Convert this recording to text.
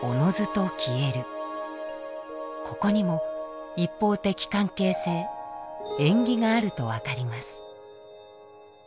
ここにも一方的関係性縁起があると分かります。